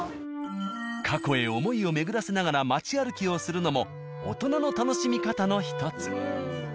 過去へ思いを巡らせながら街歩きをするのも大人の楽しみ方の１つ。